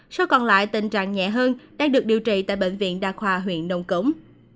sau còn lại tình trạng nhẹ hơn đang được điều trị tại bệnh viện đa khoa huyện nông cống